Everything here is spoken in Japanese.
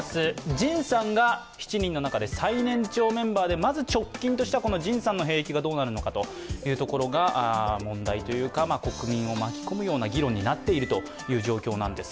ＪＩＮさんが７人の中で最年長メンバーでまず直近としてはＪＩＮさんの兵役がどうなるかが問題というか国民を巻き込むような議論になっている状況なんです。